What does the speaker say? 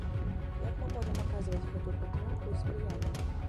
Як мы можам аказваць гэтую падтрымку і спрыянне?